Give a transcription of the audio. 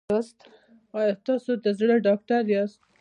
ایا تاسو د زړه ډاکټر یاست؟